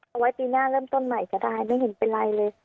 เอาไว้ปีหน้าเริ่มต้นใหม่ก็ได้ไม่เห็นเป็นไรเลย